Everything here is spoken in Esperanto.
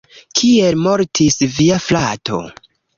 Kiel mortis via frato?